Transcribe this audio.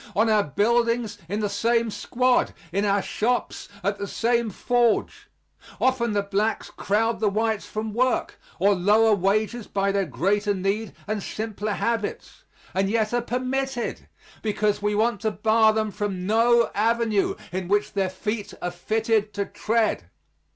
On our buildings in the same squad. In our shops at the same forge. Often the blacks crowd the whites from work, or lower wages by their greater need and simpler habits, and yet are permitted, because we want to bar them from no avenue in which their feet are fitted to tread.